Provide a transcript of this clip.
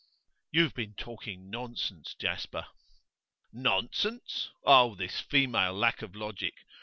'You have been talking nonsense, Jasper.' 'Nonsense? Oh, this female lack of logic!